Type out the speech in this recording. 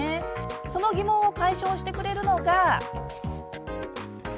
その疑問を解消してくれるのが。